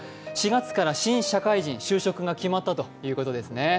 ４月から新社会人、就職が決まったということですね。